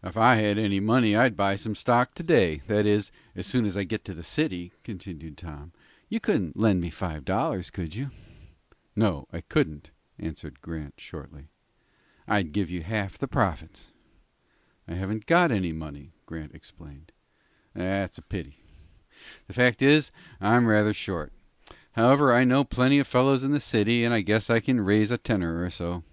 "If I had any money I'd buy some stock to day; that is, as soon as I get to the city," continued Tom. "You couldn't lend me five dollars, could you?" "No, I couldn't," answered Grant, shortly. "I'd give you half the profits." "I haven't got the money," Grant explained. "That's a pity. The fact is, I'm rather short. However, I know plenty of fellows in the city, and I guess I can raise a tenner or so."